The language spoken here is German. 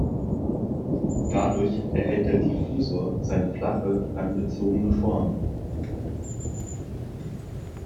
Dadurch erhält der Diffusor seine flache, langgezogene Form.